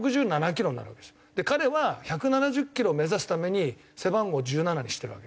彼は１７０キロを目指すために背番号を１７にしてるわけですね。